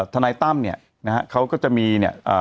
ธนายตั้มแน่วเขาก็จะมี